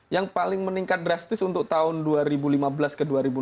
yang paling meningkat drastis untuk tahun dua ribu lima belas ke dua ribu lima belas